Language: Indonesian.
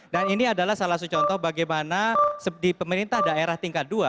dan ini adalah salah satu contoh bagaimana di pemerintah daerah tingkat dua